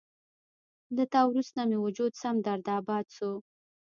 له تا وروسته مې وجود سم درداباد شو